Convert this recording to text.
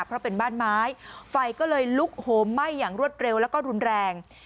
เพราะเป็นบ้านไม้ไฟก็เลยลุกโหมไหม้อย่างรวดเร็วแล้วก็รุนแรง